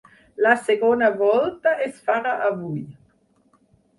La segona volta es farà avui.